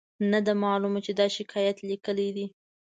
نه ده معلومه چې دا شکایت یې لیکلی دی.